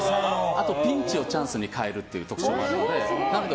あとピンチをチャンスに変えるところもあるので。